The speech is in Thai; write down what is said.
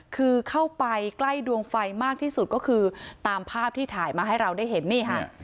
คือเข้าไปใกล้ดวงไฟมากที่สุดก็คือตามภาพที่ถ่ายมาให้เราได้เห็นนี่ค่ะ